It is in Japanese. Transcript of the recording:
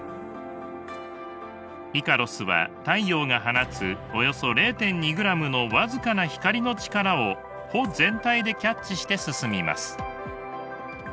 イカロスは太陽が放つおよそ０．２ｇの僅かな光の力を帆全体でキャッチして進みます。